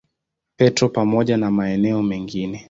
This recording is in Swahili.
Petro pamoja na maeneo mengine.